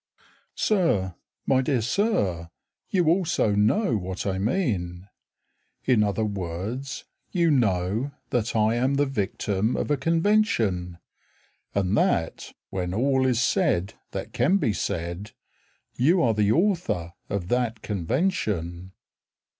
Sir, My dear Sir, You also know what I mean; In other words, you know That I am the victim of a convention, And that, when all is said that can be said, You are the author of that convention.